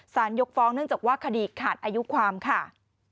ยกฟ้องเนื่องจากว่าคดีขาดอายุความค่ะ